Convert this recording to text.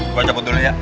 gua cabut dulu ya